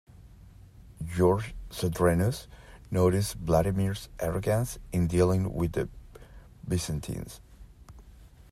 George Cedrenus noticed Vladimir's arrogance in dealing with the Byzantines.